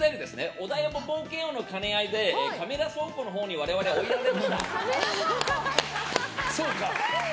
お台場冒険王の兼ね合いで倉庫のほうに我々、追いやられました。